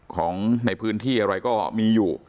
ของในพื้นที่อะไรก็มีอยู่